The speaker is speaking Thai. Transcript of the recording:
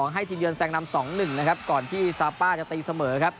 ให้ทีมเยือนแซงนำ๒๑นะครับก่อนที่ซาป้าจะตีเสมอครับ